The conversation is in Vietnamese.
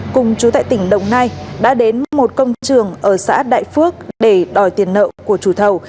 cùng chú tại tỉnh đồng nai đã đến một công trường ở xã đại phước để đòi tiền nợ của chủ thầu